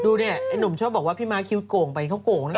ดูไหนนุ่มชอบบอกว่าพี่มาคิวโก่งไปเค้าโก่งแล้ว